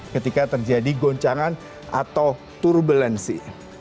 ketika terjadi goncangan atau turbulensi